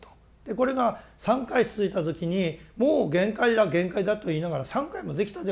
これが３回続いた時にもう限界だ限界だと言いながら３回もできたではないか。